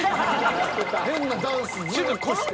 変なダンスずっとして。